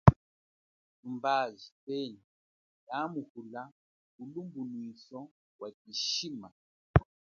Tumbaji twenyi yaamuhula ulumbunwiso wa chishima.